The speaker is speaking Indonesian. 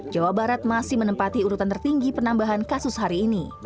jawa barat masih menempati urutan tertinggi penambahan kasus hari ini